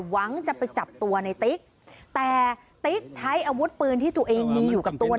หวังจะไปจับตัวในติ๊กแต่ติ๊กใช้อาวุธปืนที่ตัวเองมีอยู่กับตัว